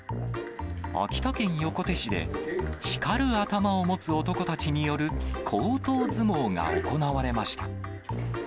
秋田県横手市で、光る頭を持つ男たちによる、光頭相撲が行われました。